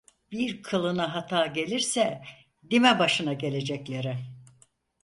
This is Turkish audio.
Bir kılına hata gelirse, dime başına geleceklere…